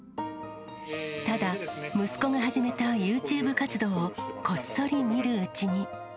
ただ、息子が始めたユーチューブ活動を、こっそり見るうちに。